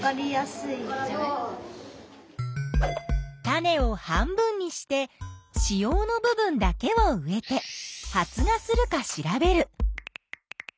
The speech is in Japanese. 種を半分にして子葉の部分だけを植えて発芽するか調べる。